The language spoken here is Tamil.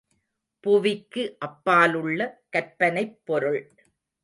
புவிக்கு அப்பாலுள்ள கற்பனைப் பொருள்.